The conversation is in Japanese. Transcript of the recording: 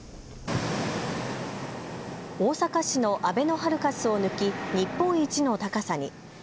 大阪市のあべのハルカスを抜き日本一の高さに。